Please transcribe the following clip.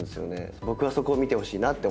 僕はそこを見てほしいなって思います。